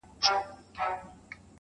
نسه ـ نسه يو داسې بله هم سته,